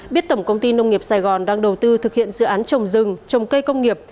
biết tổng công ty nông nghiệp sài gòn đang đầu tư thực hiện dự án trồng rừng trồng cây công nghiệp